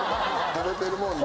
食べてるもんね。